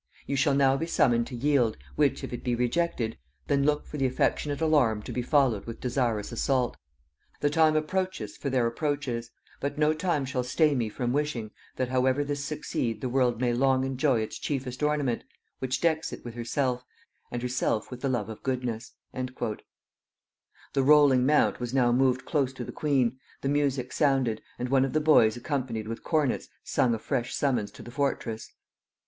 You shall now be summoned to yield, which if it be rejected, then look for the affectionate alarm to be followed with desirous assault. The time approacheth for their approaches, but no time shall stay me from wishing, that however this succeed the world may long enjoy its chiefest ornament, which decks it with herself, and herself with the love of goodness." The rolling mount was now moved close to the queen, the music sounded, and one of the boys accompanied with cornets sung a fresh summons to the fortress.